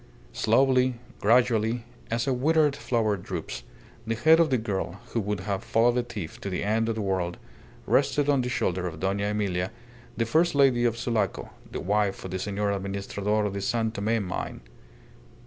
Slowly, gradually, as a withered flower droops, the head of the girl, who would have followed a thief to the end of the world, rested on the shoulder of Dona Emilia, the first lady of Sulaco, the wife of the Senor Administrador of the San Tome mine.